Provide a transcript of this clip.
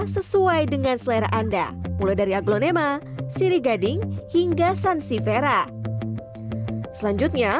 sesuai dengan selera anda mulai dari aglonema sirigading hingga sansifera selanjutnya